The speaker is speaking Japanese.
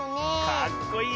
かっこいいね。